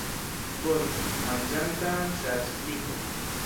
Boris, manĝanta ŝaŝlikon.